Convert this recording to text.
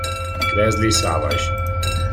Leslie Savage